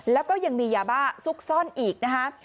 แล้วก็ยังมียาบ้าซุกซ่อนอีกนะคะ